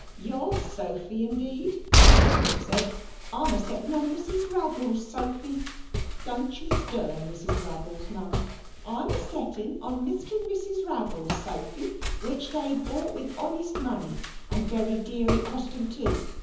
"YOUR sofy, indeed!" Mrs. Cook said. "I'm a settin' on Mrs. Raggles's sofy. Don't you stir, Mrs. Raggles, Mum. I'm a settin' on Mr. and Mrs. Raggles's sofy, which they bought with honest money, and very dear it cost 'em, too.